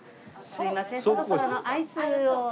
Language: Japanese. すいませんそろそろアイスを。